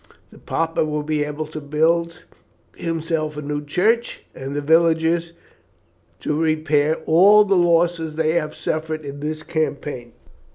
The Papa will be able to build himself a new church, and the villagers to repair all the losses they have suffered in the campaign.